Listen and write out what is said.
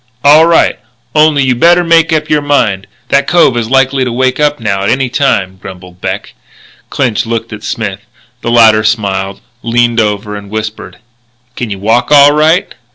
"All right. Only you better make up your mind. That cove is likely to wake up now at any time," grumbled Beck. Clinch looked at Smith. The latter smiled, leaned over, and whispered: "Can you walk all right?"